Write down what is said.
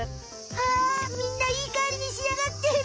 あみんないいかんじにしあがってる。